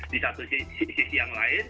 di satu sisi yang lain